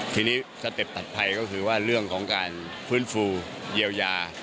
ทีนี้สเต็ปถัดไทยก็คือว่าเรื่องของการฟื้นฟูเยียวยา